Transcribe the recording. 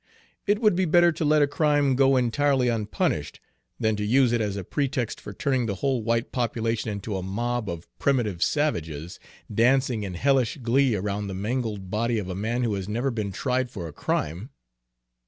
It would be better to let a crime go entirely unpunished, than to use it as a pretext for turning the whole white population into a mob of primitive savages, dancing in hellish glee around the mangled body of a man who has never been tried for a crime.